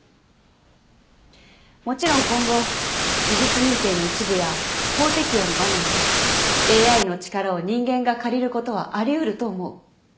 もちろん今後事実認定の一部や法適用の場面でＡＩの力を人間が借りることはあり得ると思う。